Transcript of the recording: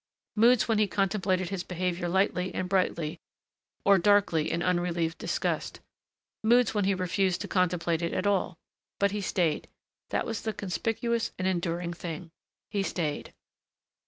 Moods when he contemplated his behavior lightly and brightly or darkly, in unrelieved disgust, moods when he refused to contemplate it at all. But he stayed. That was the conspicuous and enduring thing. He stayed.